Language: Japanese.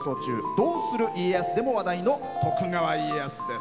「どうする家康」でも話題の徳川家康です。